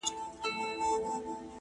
• چي به مو ژغوري له بلاګانو,